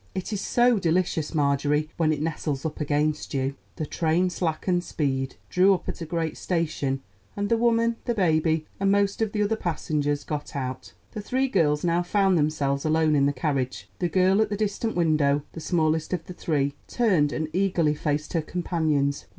It is so delicious, Marjorie, when it nestles up against you." The train slackened speed, drew up at a great station, and the woman, the baby, and most of the other passengers got out. The three girls now found themselves alone in the carriage. The girl at the distant window, the smallest of the three, turned and eagerly faced her companions.